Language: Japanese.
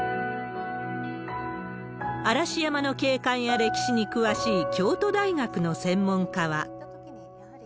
嵐山の景観や歴史に詳しい京都大学の専門家は。